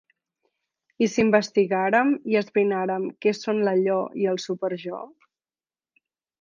I si investigàrem i esbrinàrem què són l'allò i el súper-jo?